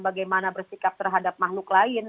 bagaimana bersikap terhadap makhluk lain